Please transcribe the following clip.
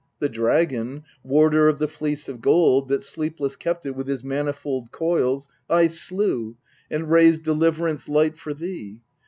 The dragon, warder of the Fleece of Gold, That sleepless kept it with his manifold coils, I slew, and raised deliverance light for thee.